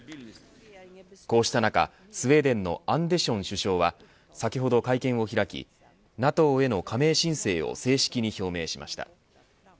こうした中、スウェーデンのアンデション首相は先ほど会見を開きＮＡＴＯへの加盟申請を正式に表明しました。